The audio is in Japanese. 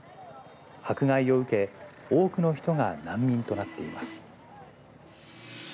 迫害を受け、多くの人が難民となっています。